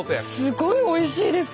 すごいおいしいです。